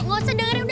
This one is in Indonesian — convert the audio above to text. enggak usah dengerin